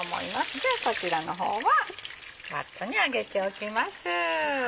じゃあこちらの方はバットに上げておきます。